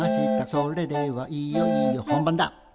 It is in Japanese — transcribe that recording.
「それではいよいよ本番だ」